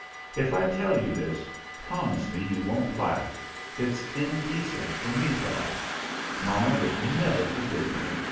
If I tell you this, promise me you won't laugh. It's indecent for me to laugh; mamma would never forgive me.